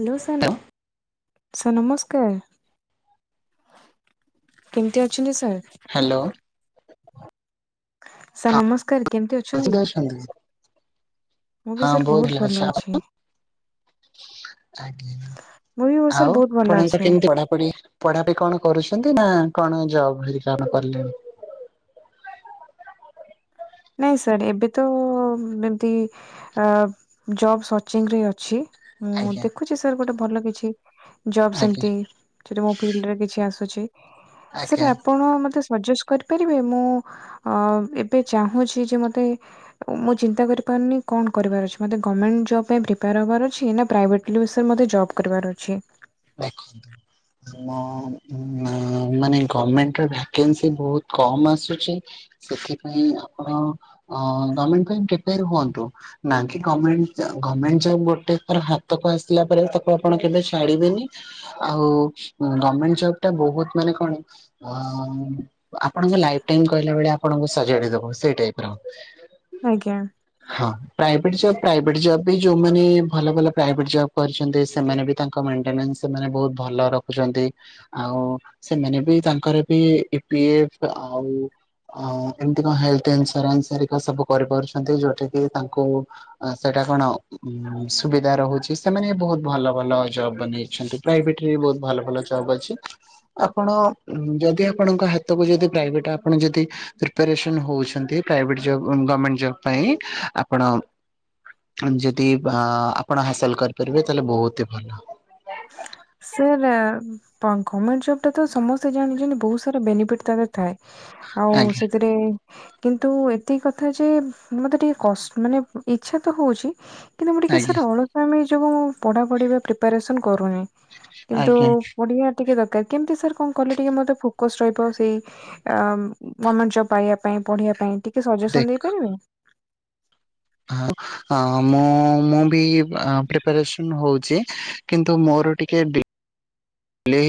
Hello sir sir ନମସ୍କାର। କେମିତି ଅଛନ୍ତି ସାର୍? ହ୍ୟାଲୋ ସାର୍ ନମସ୍କାର। କେମିତି [unintelligible] ଅଛନ୍ତି? ହଁ ବହୁତ ଭଲ ଅଛି। ଆପଣ? [unintelligible] ମୁଁ ବି ସାର୍ ଆଉ ବହୁତ ଭଲ ଆପଣଙ୍କ ଅଛି କେମିତି ପଢାପଢି ପଢାପାଇଁ କଣ କରୁଛନ୍ତି ନା କଣ ଜବ୍ ହେରିକା ଆପଣ କଲେଣି ନାଇଁ ସାର୍ ଏବେ ତ ଏମିତି ଜବ୍ ସର୍ଚ୍ଚିଂ ରେ ଅଛି। ହଁ ଆଜ୍ଞା ଦେଖୁଛି ସାର୍ ଗୋଟେ ଭଲ କିଛି ଜବ୍ ଆଜ୍ଞା ସେମତି [unintelligible] ମୋ ଫିଲ୍ଡରେ କିଛି ଆସୁଛି। ଆଜ୍ଞା ସାର ଆପଣ ମୋତେ ପରଚେସ୍ କରିପାରିବେ ମୁଁ ଅ ଏବେ ଚାହୁଛି ଯେ ମୋତେ ମୁଁ ଚିନ୍ତା କରିପାରୁନି କଣ କରିବାର ଅଛି। ମୋତେ ଗମେଣ୍ଟ ଜବ୍ ପାଇଁ ପ୍ରିପାର ହ [unintelligible] ନା ପ୍ରାଇଭେଟ୍ [unintelligible] ମତେ ଜବ୍ କରିବାର ଅଛି। ଦେଖନ୍ତୁ ମାନେ ଗମେଣ୍ଟ ଭାକାନ୍ସି ବହୁତ କମ ଆସୁଛି। ସେଥିପାଇଁ ଆପଣ ଅ ଗମେଣ୍ଟ ପାଇଁ ପ୍ରିପାରେ ହୁଅନ୍ତୁ। ନା କି ଗମେଣ୍ଟ ଗମେଣ୍ଟ ଜବ୍ ଗୋଟେ ଥର ହାତକୁ ଆସିଲା ପରେ ତାକୁ ଆପଣ କେବେ ଛାଡିବେନି। ଆଉ ଗମେଣ୍ଟ ଜବ୍ ଟା ବହୁତ ମାନେ କଣ ଆପଣ ଲାଇଫଟାଇମ କହିଲା ଭଳି ଆପଣଙ୍କୁ ସଜାଡି ଦବ। ସେଇ ଭଳିଆ। ଆଜ୍ଞା। ପ୍ରାଇଭେଟ୍ ଜବ୍ ପ୍ରାଇଭେଟ୍ ଜବ୍ ବି ଯୋଉମାନେ ଭଲ ଭଲ ପ୍ରାଇଭେଟ୍ ଜବ୍ କରିଛନ୍ତି ସେମାନେ ବି ତାଙ୍କ ମେଣ୍ଟେନାସ୍ ସେମାନେ ବହୁତ ଭଲ ରଖୁଛନ୍ତି। ଆଉ ସେମାନେ ବି ତାଙ୍କର ବି ବିଏ ଆଉ ଅ ଏମିତି କଣ ହେଲଥ ଇନସୁରାନ୍ସ ହେରିକା ସବୁ କରିପାରୁଛନ୍ତି ଯୋଉଠି କିି ତାଙ୍କୁ ସେ କଣ ସୁବିଧା ରହୁଛି। ସେମାନେ ବହୁତ ଭଲ ଭଲ ଜବ୍ ନେଇ ସେମିତି ପ୍ରାଇଭେଟ୍ ରେ ବହୁତ ଭଲ ଭଲ ଜବ୍ ଅଛି। ଆପଣ ଯଦି ଆପଣଙ୍କ ହାତକୁ ଯଦି ପ୍ରାଇଭେଟ୍ ଆପଣ ଯଦି ପ୍ରିପାରେସନ ହଉଛନ୍ତି ପ୍ରାଇଭେଟ୍ ଜବ୍ ଗମେଣ୍ଟ ଜବ୍ ପାଇଁ ଆପଣ ଯଦି ଆପଣ ହାସଲ କରିପାରିବେ ତାହେଲେ ବହୁତ ଭଲ। ସାର୍ ଗମେଣ୍ଟ ଜବ୍ ଟା ତ ସମସ୍ତେ ଜାଣିଛନ୍ତି ବହୁତ ସାରା ବେନିଫିଟ ତାର ଥାଏ। ଆଉ ଆଜ୍ଞା ସେଥିରେ କିନ୍ତୁ ଏତିକି କଥା ଯେ ମତେ ଟିକେ କସ୍ ମାନେ ଇଚ୍ଛା ତ ହଉଛି। କିନ୍ତୁ ମୁଁ ଟିକେ ଆଜ୍ଞା ସାର୍ ଅଳସୁଆମି ଯୋଗୁ ପଢ଼ାପଢ଼ି ପା ପ୍ରିପାରେସନ୍ କରୁନି। କିନ୍ତୁ ଆଜ୍ଞା ପଢ଼ିବା ଟିକେ ଦରକାର କେମତି ସାର୍ କଣ କଲେ ଟିକେ ମତେ ଫୋକସ୍ ରହିବ ସେଇ ଗର୍ମେଣ୍ଟ ଜବ୍ ପାଇବା ପାଇଁ। ପଢିବା ପାଇଁ ଟିକେ ସଜେସନ ଦେଖ ଦେଇପାରିବେ। ହଁ ମୁଁ ମୁଁ ବି ପ୍ରିପାରେସନ ହଉ ଚି କିନ୍ତୁ ମୋର ଟିକେ ଡି ଡିଲେ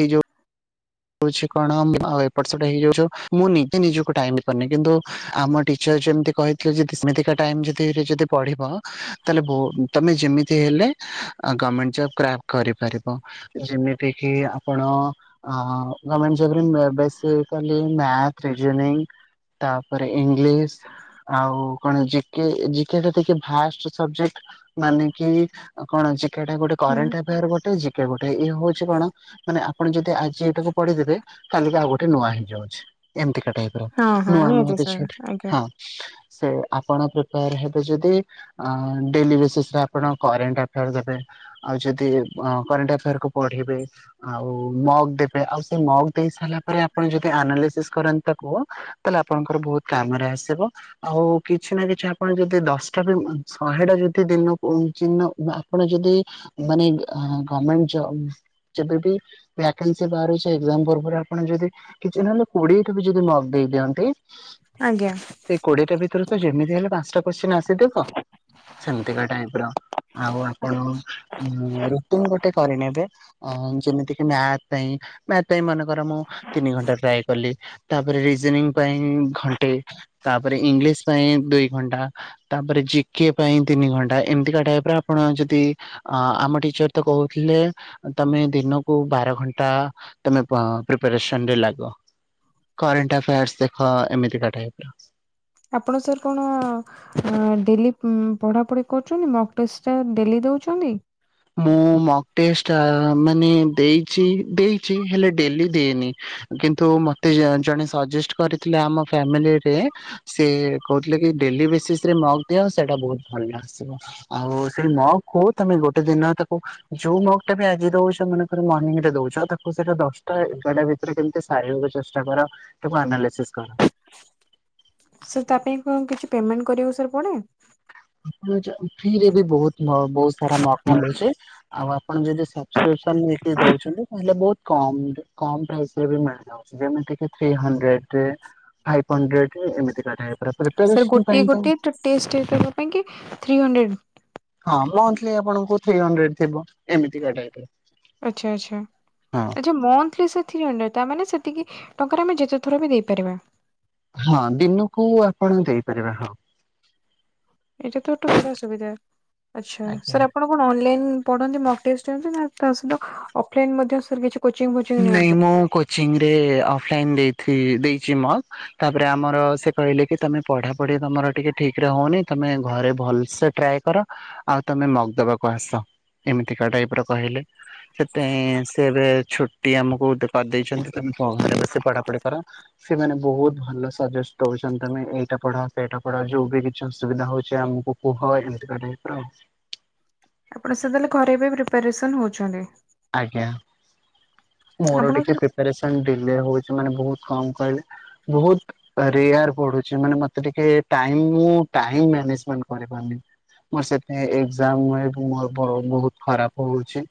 ହୋଉଚି କଣ ଏପଟ ସେପଟ ହେଇଯାଉଚୁ। ମୁଁ ନିଜେ ନିଜକୁ ଟାଇମ୍ ଦେଇପାରୁନି। କିନ୍ତୁ ଆମ ଟିଚ ଯେମତି କହିଥିଲେ ଯେ ସେମିତିକା ଟାଇମ ଯଦି ଯଦି ପଢିବ ତାହେଲେ ତମେ ଯେମିତି ହେଲେ ଗମେଣ୍ଟ କ୍ରାକ୍ କରିପାରିବ। ଯେମିତି କି ଆପଣ ହଁ ଗମେଣ୍ଟ ଜବ୍ ରେ ବେସିକାଲି ମ୍ୟାଥ, ରିଜୋନିଂ ତାପରେ ଇଂଲିଶ ଆଉ କଣ ଜିକେ ଜିକେ ଟା ଟୋଷ୍ଟ ସବଜେକ୍ଟ ମାନେ କି କଣ ଜି ଜିକେ ଟା ଗୋଟେ ହୁଁ କରେଣ୍ଟ ଆଫାୟାର ଗୋଟେ ଜିକେ ଗୋଟେ ଇଏ ହଉଛି କଣ ମାନେ ଆପଣ ଯଦି ଟାକୁ ପଢିଦେବେ କାଲିି ଆଉ ଗୋଟେ ନୂଆ ହେଇଯାଉଛି। ଏମତି [unintelligible] ହଁ ହଁ ନୂ ନୂଆ ନିହାତି କିଛି ସାର୍ ଗୋଟେ ଆଜ୍ଞା ହଁ। ସେ ଆପଣ ପ୍ରିପାୟାର ହେବେ ଯଦି ଡେଲି ବେସିସରେ ଆପଣ କରେଣ୍ଟ ଆଫାୟାର୍ ଦେବେ ଆଉ ଯଦି କରେଣ୍ଟ ଆଫାୟାର କୁ ପଢିବେ ଆଉ ମକ୍ ଦେ ଆଉ ସେ ମକ୍ ଦେଇ ସାରିଲା ପରେ ଆପଣ ଯଦି ଆନାଲିସିସ୍ କରନ୍ତି ତାକୁ ତାହେଲେ ଆପଣଙ୍କର ବୋହୁତ କାମରେ ଆସିବ ଆଉ କିଛି ନା କିଛି ଆପଣ ଯଦି ଦଶଟା ବି ଶହେଟା ଯଦି ଦିନକୁ [unintelligible] ଆପଣ ଯଦି ମାନେ ଗମେଣ୍ଟ ଜବ୍ ଯେବେବି ଭା ସେ ବାହାରୁଚି ଏକଜାମ୍ ପରେ ପରେ ଆପଣ ଯଦି କିଛି ନହେଲେ କୋଡିଏଟି ବି ଯଦି ମକ୍ ଦେଇ ଦିଅନ୍ତି। ଆଜ୍ଞା। ସେଇ କୋଡିଏଟା ଭିତରେ ତ ଯେମିତି ହେଲେ ପାଞ୍ଚଟା କୋଶ୍ଚିିନ ଆସିଥିବ। ସେମତିକା ଟାଇପର ଆଉ ଆପଣ ରୁଟିନ ଗୋଟେ କରିନେବେ। ଯେମିତି କିି ମ୍ୟାଥ୍ ପାଇଁ ମାର୍ଥ ପାଇଁ ମନେ କର ମୁଁ ତିନି ଘଣ୍ଟା ଟ୍ରାଏ କଲି ତାପରେ ରିଜୋନିଂ ପାଇଁ ଘଣ୍ଟେ ଏ ତାପରେ ଇଂଲିଶ ପାଇଁ ଦୁଇ ଘଣ୍ଟା ତାପରେ ଜି କେ ପାଇଁ ତିନି ଘଣ୍ଟା ଏମିତି କା ଟାଇପ୍ ର ଆପଣ ଯଦି ଅ ଆମ ଟିଚର ତ କହୁଥିଲେ ଅ ତମେ ଦିନକୁ ବାର ଘ ଣ୍ଟା ତମେ ମ୍ପ ପ୍ରିପ୍ୟାରେସନ ଲାଗ। କରେଣ୍ଟ ଆଫେୟାର୍ସ ଦେଖ ଏମିତିକା ଟାଇପ୍ ର। ଆପଣ ସାର କଣ ଅ ଡେଲି ଉଁ ପଢାପଢି କରୁଛନ୍ତି ମୋକ ଟେଷ୍ଟ ଟା ଡେଲି। ଦଉଛନ୍ତି। ମୁଁ ମୋକ ଟେଷ୍ଟ ଆ ମାନେ ଦେଇଛି ଦେଇଛି ହେଲେ ଡେଲି ଦେଇନି। କିନ୍ତୁ ମତେ ଜ-ଜଣେ ସଜେଷ୍ଟ କରିଥିଲେ ଆମ ଫ୍ୟାମିଲିରେ ସେ କହୁଥିଲେ କି ଡେଲି ବେସିସରେ ମୋକ୍ ଦିଅ ସେଇଟା ବହୁତ ଭଲ ଆସିବ ଆଉ ସେଇ ମୋକ କୁ ତମେ ଗୋ ଗୋଟେ ଦିନ ତାକୁ ଯୋଉ ମୋକ ଟା ବି ଆଜି ଦଉଛ ମନେ କର ମର୍ନିଙ୍ଗରେ ଦଉଛ ତାକୁ ସେଇଟା ଦଶଟା ଏ-ଏଗାରଟା ଭି ଭିତରେ କେମିତି ସାରିବାକୁ ଚେଷ୍ଟା କର ତାକୁ ଆନାଲିସିସ୍। କର ସାର୍ ତା ପାଇଁ କଣ କିଛି ପେମେଣ୍ଟ କରିବାକୁ ସାର୍ ପଡେ। ଫ୍ରୀରେ ବି ବହୁତ ବହୁତ ସାରା ମକ୍ ମିଳୁଛି ଆଉ ଆ ଆପଣ ଯଦି ସବସ୍କ୍ରିପସନ୍ ନେଇକି ଦଉଛନ୍ତି ତାହେଲେ ବହୁତ କମ୍ କମ୍ ପ୍ରାଇସରେ ବି ମିଳିଯାଉଛି ଯେମିତିକି ଥ୍ରୀ ହଣ୍ଡ୍ରେଡ ରେ। ଫାଇଭ୍ ହଣ୍ଡ୍ରେଡ ଏମିତି କ ସାର୍ ଗୋଟେ ଗୋଟେ ଟେଷ୍ଟ ପାଇଁ କି ଥ୍ରୀ ହଣ୍ଡ୍ରେଡ। ହଁ ମନ୍ଥଲି ଆପଣକୁ ଥ୍ରି ହଣ୍ଡ୍ରେଡ ଥିବ ହଁ ଏମିତିକା ଟାଇପର। ଆଚ୍ଛା ଆଚ୍ଛା ଆଚ୍ଛା ମନ୍ଥଲି ସେଇ ଥ୍ରି ହଣ୍ଡ୍ରେଡ। ତାମାନେ ସେତିକି ଟଙ୍କାରେ ଆମେ ଯେତେଥର ବି ଦେଇପାରିବା। ହଁ ଦିନକୁ ଆପଣ ଦେଇପାରିବେ ହଁ। ଏଇଟା ତ ଗୋଟେ ବଢିଆ ସୁବିଧା ଆଛା ଆଜ୍ଞା। ସାର୍ ଆପଣ କଣ ଅନଲାଇନ୍ ପଢ଼ନ୍ତି ମକଟେଷ୍ଟ ରେ ନା ତା ସହିତ ଅଫଲାଇନ ମଧ୍ୟ ସାର୍ କିଛି। କୋଚିଂ ଫୋଚିଂ ନାଇଁ ନିଅନ୍ତି? ମୁଁ କୋଚିଂ ରେ ଅଫ୍ଲାଇନ୍ ଦେଇଥି ଦେଇଛି ମଗ ତାପରେ ଆମର ସେ କହିଲେ କି ତମେ ପଢାପଢି ତମର ଟିକେ ଠିକ ରେ ହଉନି ତମେ ନାଇ ଘରେ ଭଲସେ ଟ୍ରାଏ କର ଆଉ ତମେ ମଗ ଦବାକୁ ଆସ। ଏମିତିକା ଟାଇପର କହିଲେ। ସେଥିପାଇଁ ସେ ଏବେ ଛୁଟି ଆମକୁ କରିଦେଇଛନ୍ତି ତ ଘରେ ବସି ପଢା ସେମାନେ ବହୁତ ଭଲ ସଜେଷ୍ଟ ଦଉଛନ୍ତି ତମେ ଏଇଟା ପଢ ସେଇଟା ପଢ ଯୋଉ ବି କିଛି ସୁବିଧା ହଉଛି ଆମକୁ କୁହ ଏମତି କା ଟାଇପ୍ ର ଆଉ। ଆପଣ ସେତେଳେ ଘରେବେ ପ୍ରିପାରେସନ ହଉଛନ୍ତି। ଆଜ୍ଞା ମୋର ଆପଣଙ୍କୁ ଟିକେ ସାର୍ ପ୍ରିପାରେସନ୍ ଏଇଆ ହୋଉଛି ମାନେ ବହୁତ କମ୍ କହିବି ରେୟାରେ ପଡୁଚି ମତେ ଟିକେ ଟାଇମ୍ ମୁ ଟାଇମ୍ ମ୍ୟାନେଜମେଣ୍ଟ କରି ପାରୁନି। ମୋର ସେଥି ଏଜାମ ମୋର ବହୁତ ଖରାପ ହଉଛି।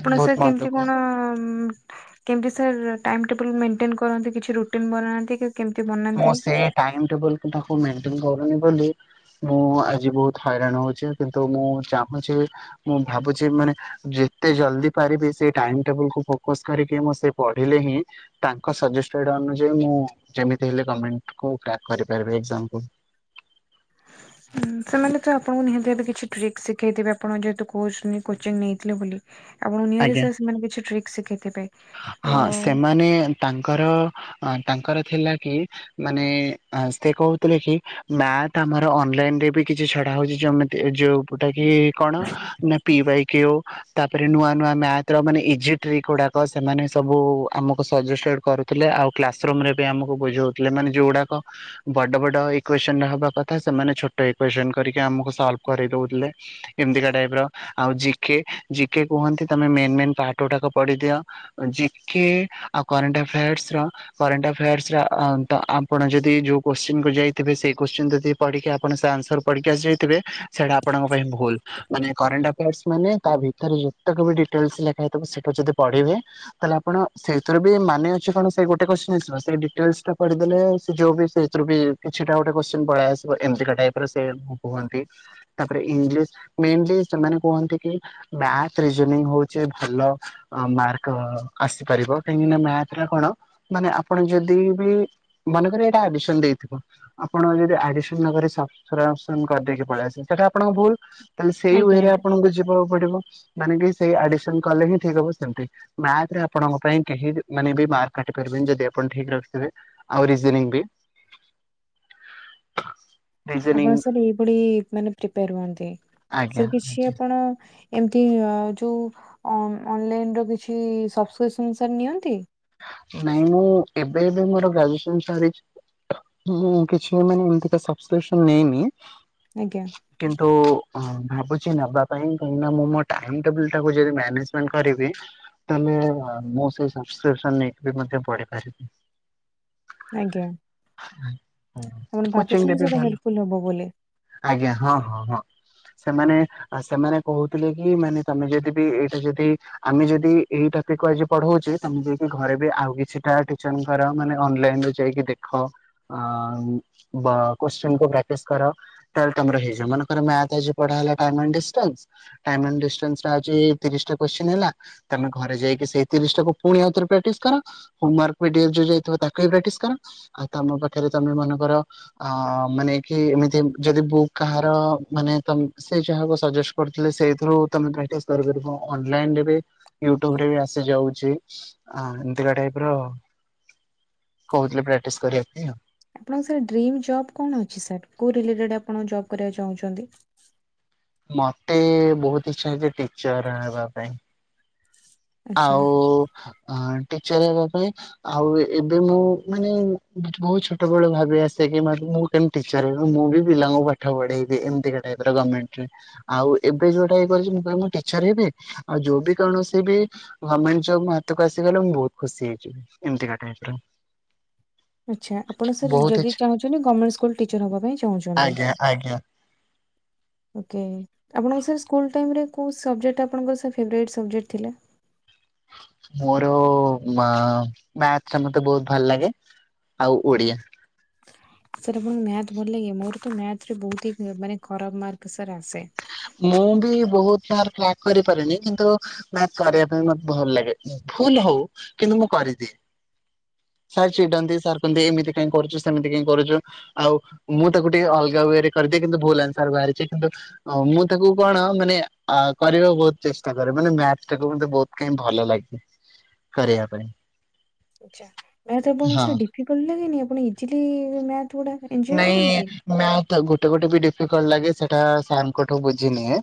ଆପଣ ବହୁତ ସାର୍ ମନ କେମତି ଦୁଃଖ କଣ କେମିତି ସାର୍ ଟାଇମ୍ ଟେବୁଲ୍ ମେଣ୍ଟେନ୍ କରନ୍ତି କିଛି ରୁଟିନ୍ ବନାନ୍ତି କି କେମିତି ମୋ ବନାନ୍ତି? ସେ ଟାଇମ ଟେବୁଲ ତାକୁ ମେଟେନ କରୁନି ବୋଲି ମୁଁ ଆଜି ବହୁତ ହଇରାଣ ହଉଛି କିନ୍ତୁ ମୁଁ ଚାହୁଁଛି ମୁଁ ଭାବୁଛି ମାନେ ଯେତେ ଜଲଦି ପାରିବି ସେ ଟାଇମ୍ ଟାକୁ ଫୋକସ କରିକି ସେ ପଢିଲେ ହି ତାଙ୍କ ସଜେଷ୍ଟେଡ ଅନଯାୟୀ ମୁଁ ଯେ ହେଲେ ଗମେଣ୍ଟ କୁ ଟ୍ରାକ କରିପାରିବେ ଏଗଜାମ୍ ପୂଲ୍। ସେମାନେ ତ ଆପଣଙ୍କୁ ନିହାତି ଭାବେ କିଛି ଟ୍ରିକ୍ ଶିଖେଇଥିବେ ଆପଣ ଯେହେତୁ କୋଚ୍ କୋଚିଂ ନେଇଥିଲେ ବୋଲି। ଆପଣ ନିହାତି ଆଜ୍ଞା ସାର୍ ସେମାନେ କିଛି ଟ୍ରିକ୍ ଶିଖେଇଥିବେ ତ ଅ ତାଙ୍କର ଥିଲା କି ମାନେ ସେ କହୁଥିଲେ କି ମ୍ୟାଥ ଆମର ଅନଲାଇନ ରେ ବି କିଛି ସ ଏଟା ହୋଉଛି ଯେମିତି ଯୋଉଟା କି କଣ ନା ପିଇ ବାଈ କିଉ ତାପରେ ନୂଆ ନୂଆ ମ୍ୟାଥର ମାନେ ଇଜି ଟ୍ରିକ୍ ଗୁଡାକ ସେମାନେ ସବୁ ଆମକୁ ସଜେଷ୍ଟେଡ କରୁଥିଲେ ଆଉ କ୍ଲାସ ରୁମ୍ ଏବେ ଆମକୁ ବୁଝୋଉଥିଲେ ମାନେ ଯୋଉ ଗୁଡାକ ବଡ ବଡ ଇକ୍ସନ ହବା କଥା ସେମାନେ ଛୋଟ ଇ ଜଏନ କରିକି ଆମୁକୁ ସଲ୍ଭ କରେଇ ଦୋଉଥିଲେ ଏମିତିକା ଟାଇପର ଆଉ ଜିକେ ଜିକେ କୁହନ୍ତି ତମେ ମେନ୍ ମେନ୍ ପାଟଗୁାଡାକ ପଢିଦିଅ ଜିକେ ଆଉ କରେଣ୍ଟ ଆଫିଆରସର କରେଣ୍ଟ ଆଫାଏର୍ସ ତ ଆପଣ ଯଦି ଯୋଉ କୋଶ୍ଚିିନ କୁ ଯାଇଥିବେ ସେଇ କୋଶ୍ଚିନ ଯଦି ପଢିକି ଆପଣ ତା ଆନ୍ସର [unintelligible] ପଢିକି ଆସି ଯାଇଥିବେ ସେଟା ଆପଣଙ୍କ ପାଇଁ ଭୁଲ ମାନେ କରେଣ୍ଟ ଆଫାଏର୍ସ ମାନେ ତା ଭିତରେ ସେଇଟାକୁ ବି ଡିଟେଲସ୍ ଲେଖା ହେଇଥିବ ସେଟା କୁ ଯଦି ପଢିବେ ତାହେଲେ ଆପଣ ସେଇଥିରୁ ବି ମାନେ ଅଛି କଣ ସେ ଗୋଟେ କୋଶ୍ଚି ସେ ଡିଟେଲସ୍ ଟା ପଢିଦେଲେ ସେ ଯୋଉ ବି ସେଥିରୁ ବି କିଛିଟା ଗୋଟେ କୋଶ୍ଚିନି ପଳେଇ ଆସିବ ଏମିତି କା ଟାଇପ। ସେ କୁହନ୍ତି ତାଙ୍କର ଇଂଲିଶ୍ ମେନଲି ସେମାନେ କୁହନ୍ତି କି ରିଜିଓନିଙ୍ଗ ହୋଉଚି ଭଲ ମାର୍କ ଆସିପାରିବ କାହିଁକି ମାର୍ଥ ଟା କଣ? ମାନେ ଆପଣ ଯଦି ବି ମନେକର ଏଇଟା ଆଡିସନ୍ ଦେଇଥିବ ଆପଣ ଯଦି ଆଡିସନ୍ ନବାରେ ସ [unintelligible] କରିଦେଇକି ପଳେଇଆସିବେ ସେଟା ଆପଣଙ୍କ ଭୁଲ ତାହେଲେ ସେଇ ୱେ ଆଜ୍ଞା ରେ ଆଜ୍ଞା। ଆପଣଙ୍କୁ ଯିବାକୁ ପଡିବ। ମାନେ କି ସେଇ ଆଡିସନ କଲେ ହିଁ ଠିକ ହବ ସେମିତି ମାର୍ଥ ରେ ଆପଣଙ୍କ ପାଇଁ କେହି ମାନେ ବି ମାର୍କ କାଟି ପାରିବେ ଯଦି ଆପଣ ଠିକ ରଖିଥିବେ ଆଉ ରିଜୋନିଂ ବି? ରିଜନିଂ ଆପଣ ସାର୍ ଏଇଭଳି ମାନ ପ୍ରିପେଆର ହୁଅନ୍ତି। ଆଜ୍ଞା ସାର୍ କିଛି ଆପଣ ଏମତି ଯୋଉ ଅନଲାଇନ ର କିଛି ସବସେସନ୍ ସାର୍ ନିଅନ୍ତି? ନାଇଁ ମୁଁ ଏବେ ଏବେ ମୋର ଗ୍ରାଜୁଏସନ୍ ସରିଚି। ହଁ କିଛି ମାନେ ମୁଁ ଏମିତିକା ସବସେସନ୍ ନେଇନି। ଆଜ୍ଞା କିନ୍ତୁ ହଁ ଭାବୁଚି ନବା ପାଇଁ କାହିଁକି ନା ମୁଁ ମୋ ଟାଇମ୍ ଟେବୁଲ ଟାକୁ ଯଦି ମାନେଜମେଣ୍ଟ କରିବି ତାହେଲେ [unintelligible] ମୁଁ ସେଇ ସବକ୍ରିପସନ ନେଇକି ମଧ୍ୟ ପଢିପାରିବି। ଆଜ୍ଞା ଆପଣ କୋଚିଂ ରେ ଭାବୁଚନ୍ତି ବି ସେଟା ଭଲ ହେଲ୍ପ ଫୁଲ ହବ ବୋଲି। ଆଜ୍ଞା ହଁ, ହଁ, ହଁ। ସେମାନେ ସେମାନେ କୋହୁଥିଲେ କି ମାନେ ତମେ ଯଦି ବି ଏଇଟା ଯଦି ଆମେ ଯଦି ଏଇଟା କହିଯେ ପଢୋଉଚି। ତମକୁ ଯଦି ଘରେ ବି ଆଉ କିଛିଟା ଟିଚରଙ୍କର ମାନେ ଅନଲାଇନରୁ ଯାଇକି ଦେଖ ଅଂ କୋଶ୍ଚିନକୁ ପ୍ରାଟିସ୍ କର ତାହାଲେ ତୁମର ହେଇଯିବ। ମନେକର ମ୍ୟାଥ ଆଜି ପଢା ହେଲା ଡାଇ ମେଣ୍ଡିସର [unintelligible] ଆଜି ତିରିଶି ଟା କୋଶ୍ଚିନ ହେଲା, ତମେ ଘରେ ଯାଇକି ସେଇ ତିରିଶିଟାକୁ ପୁଣି ଆଉଥରେ ପ୍ରାଟିସ୍ କର। ହୋମ ୱାର୍କ ପିଡିଏଫ ଯୋଉ ଯାଇଥିବ ତାକୁ ବି ପ୍ରାଟିସ୍ କର ଆଉ ତମ ପାଖରେ ତମେ ମ ଧର ମାନେ କି ଏମିତି ଯଦି ବୁକ୍ କାହାର ମାନେ ତମେ ସେ ଯାହା ସଜ ସେଇଥିରୁ ତମେ ପ୍ରାଟିସ୍ କରିପାରିବ ଯଦି ଅନ୍‌ଲାଇନ୍ ରେ ୟୁଟୁବ ରେ ବି ଆସିଯାଉଚି। ହଁ ଏମତିକା ଟାଇପର କୋହୁଥିଲେ ପ୍ରାକ୍ଟିସ କରିବା ପାଇଁ। ଆପଣଙ୍କ ସାର୍ ଡ୍ରିମ୍ ଜବ୍ କଣ ଅଛି ସାର୍ କୋଉ ରିଲେଟେଡ ଆପଣ ଜବ କରିବାକୁ ଚାହୁଁଚନ୍ତି? ମତେ ବୋହୁତ ଇଚ୍ଛାଜେ ଟିଚର ହେବା ପାଇଁ। ଆଚ୍ଛା ଆଉ ଆଁ ଟିଚର ହେବା ପାଇଁ ଆଉ ଏବେ ମୁଁ ମାନେ ବୋହୁତ ଛୋଟ ବେଳୁ ଭାବି ଆସେ। ମୁଁ କେମିତି ଟିଚର ହେବି ମୁଁ ବି ପିଲାଙ୍କୁ ପାଠ ପଢେଇବି ଏମିତିକା ଟାଇପର ଗମେଣ୍ଟରେ ଆଉ ଏବେ ଯୋଉଟା ଇଏ କରିଚି ମୁଁ ପୁରା ମୁଁ ଟିଚର ହେବି ଆଉ ଯୋଉ ବି କୌଣସି ବି ଗମେଣ୍ଟ ଯବ୍ ମୋ ହାତକୁ ଆସିଗଲେ ମୁଁ ବୋହୁତ ଖୁସି ହେଇଯିବି ଏମିତିକା ଟାଇପ୍ ର। ଆଚ୍ଛା ଆପଣ ସାର୍ ବହୁତ ଯଦି ଇଚ୍ଛା ଚାହୁଁଚନ୍ତି ଗମେଣ୍ଟ ସ୍କୁଲ ଟିଚର ହବା ପାଇଁ ଚାହୁଁଚନ୍ତି? ଆଜ୍ଞା ଆଜ୍ଞା ଓକେ, ଆପଣଙ୍କୁ ସାର୍ ସ୍କୁଲ୍ ଟାଇମ୍ ରେ କୋଉ ସବଜେକ୍ଟ ଆପଣଙ୍କର ସାର୍ ଫେବରାଇଟି ସବଜେକ୍ଟ ଥିଲା? ମୋର ମା-ମାର୍ଥ ଟା ମତେ ବୋହୁତ ଭଲ ଲାଗେ ଆଉ ଓଡିଆ। ସାର୍ ଆପଣଙ୍କୁ ମ୍ୟାଥ ଭଲଲାଗେ। ମୋର ତ ମ୍ୟାଥରେ ବୋହୁତ ହି ମାନେ ଖରାପ ମାର୍କ ସାର୍ ଆସେ। ମୁଁ ବି ବହୁତ ମାର କ୍ରାକ୍ କରିପାରିନି କିନ୍ତୁ ମ୍ୟାଥ କରିବା ପାଇଁ ମତେ ଭଲ ଲାଗେ। ଭୁଲ ହଉ କିନ୍ତୁ ମୁଁ କରିଦିଏ। ସାର୍ ଚିଡନ୍ତି ସାର୍ କୁହନ୍ତି ଏମିତି? କାଇଁ କରୁଛୁ ସେମିତି କାଇଁ କରୁଛୁ ଆଉ ମୁଁ ତାକୁ ଟିକେ ଅଲଗା ୱରେ କରିଦିଏ କିନ୍ତୁ ଭୁଲ ଆନଶର ବାହାରିଛି କିନ୍ତୁ ଓ ମୁଁ ତାକୁ କଣ ମାନେ ଅ କରିବାକୁ ବହୁତ ଚେଷ୍ଟା କରେ ମାନେ ମ୍ୟାଥ ଟାକୁ ମତେ ବହୁତ କାଇଁ ଭଲ ଲାଗେ କରିବା ପାଇଁ। ଆଚ୍ଛା ମ୍ୟାଥ ଆପଣଙ୍କୁ ହଁ। ସେ ଡିଫିକଲଟ ଲାଗେନି ଆପଣ ଇଜିଲି ମ୍ୟାଥ ଗୁଡା ଏଞ୍ଜୟ ନାଇଁ କରନ୍ତି? ମିଆଁଥ ଗୋଟେ ଗୋଟେ ବି ଡିଫିକଲଟ ଲାଗେ ସେଟା ସାରଙ୍କ ଠୁ ବୁଝି ନିଏ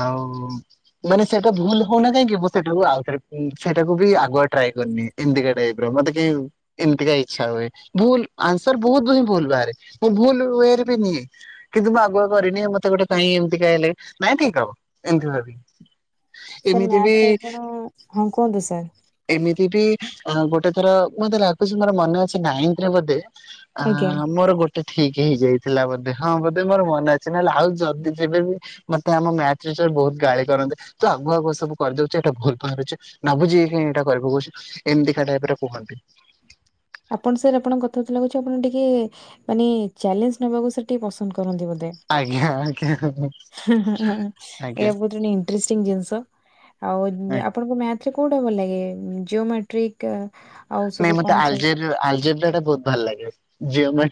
ଆଉ ମାନେ ସେଇଟା ଭୁଲ ହଉନା କାହିଁକି ମୁଁ ସେଟା କୁ ଆଉ ଥରେ ସେଟା କୁ ବି ଆଗୁଆ ଟ୍ରାଏ କରିନିଏ ଏମିତିକା ଟାଇପର। ଏମତିକା ଇଛା ହୁଏ ଭୁଲ୍ ଆନ୍ସର ବହୁତ ହିଁ ଭୁଲ୍ ବାହାରେ। ମୁଁ ଭୁଲ ୱେ ରେ ବି ନିଏ କିନ୍ତୁ ମୁଁ ଆଗୁଆ କରିନିଏ ମତେ ଗୋଟେ କାଇଁ ଏମିତି ଇଏ ଲାଗେ ନାଇଁ ଠିକ୍ ହବ। ଏମତି ଭାବି। ସାର୍ ମ୍ୟାଥ ରେ ଆପଣ ହଁ କୁହନ୍ତୁ ସାର୍। ପିଠି ଗୋଟେ ଥର ମତେ ଲାଗୁଛି ମୋର ମନେ ଅଛି ନାଇନ୍ଥ ରେ ବୋଧେ ଆଜ୍ଞା। ଆଁ ମୋର ଗୋ ଠିକ ହେଇଯାଇଥିଲା ବୋଧେ ହଁ ବୋଧେ ମୋର ମନେ ଅଛି ନହେଲେ ଆଉ ଯଦି ଯେବେ ବି ମତେ ଆମ ମ୍ୟାଥ ବହୁତ ଗାଳି କରନ୍ତେ ତୁ ଆଗୁଆ ଆଗୁଆ ସବୁ କରିଦେଉଚୁ ଏଇଟା ଭୁଲ ବାହାରୁଛି ନ ବୁଝି କାଇଁ ଏଇଟା କରି ପକଉଛୁ। ଏମିତିକା ଟାଇପର କୁହନ୍ତି। [inaudible] ଆପଣ ସାର୍ ଆପଣଙ୍କ କଥାବାର୍ତ୍ତା ଲାଗୁଛି ଆପଣ ଟିକେ ମାନେ ଚ୍ୟାଲେଞ୍ଜ ନେବାକୁ ସାର ଟିକେ ପସନ୍ଦ କର ଆଜ୍ଞା ଆଜ୍ଞା। ଆଜ୍ଞା ଏଇଟା ବହୁତ ଏଣ୍ଟିରେଷ୍ଟିଙ୍ଗ ଜିନିଷ। ଆଉ ଆଜ୍ଞା। ଆପଣଙ୍କୁ ମ୍ୟାଥ ରେ କୋଉଟା ଭଲ ଲାଗେ ଜିଓମେଟ୍ରିକ୍ ନାଇଁ ମତେ ଆଲଜେର ଆଲଜେବ୍ରା ଟା ବହୁତ ଭଲ ଲାଗେ ଜିଅମା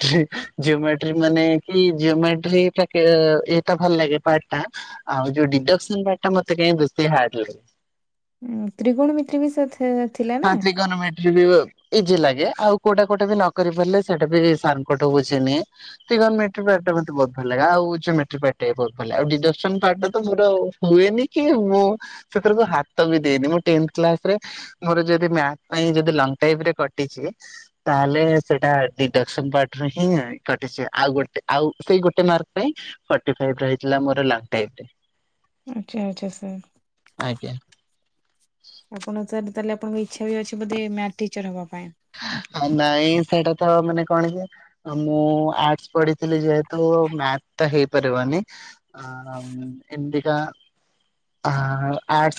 ଜିଓମାଟ୍ରିକ ମାନେ କି ଜିଓମାଟ୍ରି ଫେକ ଏଇଟା ଭଲ ଲାଗେ ପାଟ ଟା। ଆଉ ଯୋଉ ଡିଡକ୍ସନ ପାର୍ଟ ଟା ମତେ କାଇଁ ବେଶି ହଡ ଲାଗେ। ହୁଁ ତ୍ରିିକୋଣ ମିତ୍ରି ବିସଦ ହଁ ତ୍ରିକନ ମେଟ୍ରି ବି ଇଜି ଲାଗେ ଆଉ କୋଟା କଉଟା ବି ନ କରି ପାରିଲେ ସେଟା ବି ସାରଙ୍କ ଠୁ ବୁଝି ନିଏ ଟ୍ରିଗରମେଟ୍ରି ପାର୍ଟ ଟା ମତେ ବହୁତ୍ ଭଲ ଲାଗେ ଆଉ [unintelligible] ଆଉ ଡିଡକ୍ସନ ପାର୍ଟ ଟା ତ ମୋର ହୁଏନି କି ମୁଁ ସେଥିରେ ତ ହାତ ହାତ ବି ଦେଏନି ମୁଁ ତେନ୍ଥ କ୍ଲାସ ରେ ମୋର ଯଦି ମ୍ୟାଥ ପାଇଁ ଯଦି ଲଙ୍ଗ ଟାଇପ ରେ କଟିଛି ତାହେଲେ ସେଟା ଡିଡକ୍ସନ ପାର୍ଟ ପାଇଁ ହିଁ କଟିଛି ଆଉ ଗୋଟେ ଆଉ ସେଇ ଗୋଟେ ମାର୍କ ପାଇଁ ଫୋଟି ଫାଇଭ ରହିଥିଲା ମୋର ଲଙ୍ଗ ଟାଇପ ରେ। ଆଚ୍ଛା ଆଚ୍ଛା ସାର୍ ଆଜ୍ଞା। ଆପଣ ତାହେଲେ ଆଣଙ୍କ ଇଚ୍ଛା ବି ଅଛି ବୋଧେ ମ୍ୟାଥ ଟିଚର ହେବାକୁ? ନାଇଁ ସେଇଟା ତ ମାନେ କଣ ଯେ ମୁଁ ଆର୍ଟସ ପଢିଥିଲି ଯେହେତୁ ମ୍ୟାଥ ତ ହେଇପାରିବନି। ଆ ଏମିତିକା ଆର୍ଟସ